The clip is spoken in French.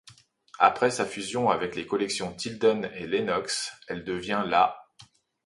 Après sa fusion avec les collections Tilden et Lenox, elle devient la '.